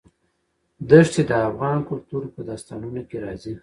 دښتې د افغان کلتور په داستانونو کې راځي.